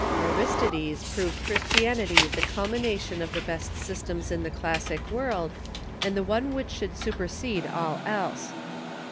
Aristides proved Christianity the culmination of the best systems in the classic world, and the one which should supersede all else.